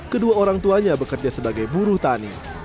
kedua orang tuanya bekerja sebagai buruh tani